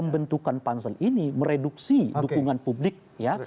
dan juga diperlukan pansel ini mereduksi dukungan publik ya